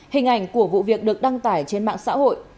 hình ảnh của vụ việc được đăng tải trên mạng xã hội